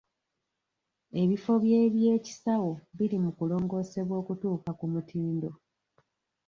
Ebifo by'ebyekisawo biri mu kulongoosebwa okutuuka ku mutindo.